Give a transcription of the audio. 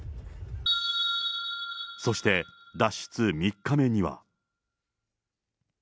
そして脱出３日目には。